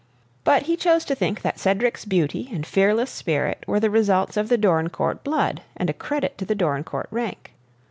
But he chose to think that Cedric's beauty and fearless spirit were the results of the Dorincourt blood and a credit to the Dorincourt rank.